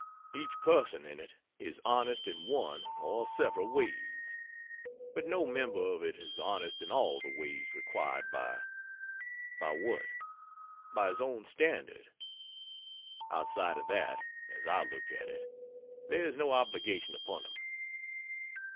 Each person in it is honest in one or several ways, but no member of it is honest in all the ways required by by what? By his own standard. Outside of that, as I look at it, there is no obligation upon him.